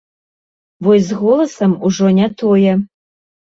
Вось з голасам ужо не тое.